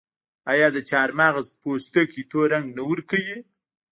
آیا د چارمغز پوستکي تور رنګ نه ورکوي؟